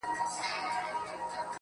په دې بازار کې قیمت نسته خپل غمي وساتئ